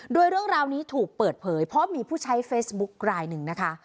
โดยเรื่องราวนี้ถูกเปิดเผยเพราะมีผู้ใช้เฟซบุ๊คลายหนึ่งนะคะ